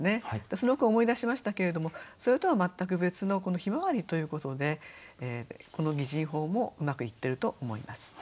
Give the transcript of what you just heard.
その句を思い出しましたけれどもそれとは全く別のこの「向日葵」ということでこの擬人法もうまくいってると思います。